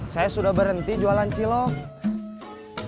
saya sudah berhenti jualan cilok